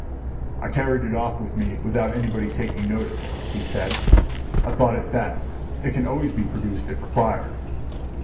"I carried it off with me without anybody taking notice," he said. "I thought it best. It can always be produced if required."